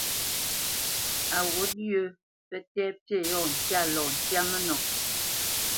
A wǔt yə pə́ tɛ̂ pí yɔ̂ ŋkya lɔ ntyá mə́nɔ.